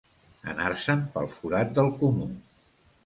Anar-se'n pel forat del comú.